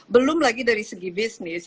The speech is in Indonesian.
belum lagi dari segi bisnis